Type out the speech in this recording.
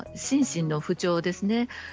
心身の不調ですね。